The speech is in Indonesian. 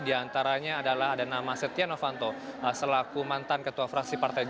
diantaranya adalah ada nama setia novanto selaku mantan ketua